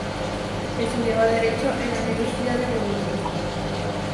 Estudiaba Derecho en la Universidad de Burundi.